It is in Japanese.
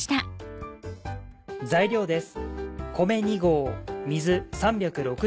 材料です。